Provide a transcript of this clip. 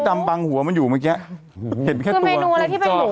ดำบังหัวมันอยู่เมื่อกี้เห็นแค่ตัวคือเมนูอะไรที่เป็นหมู